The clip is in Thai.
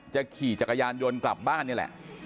ขี่จักรยานยนต์กลับบ้านนี่แหละ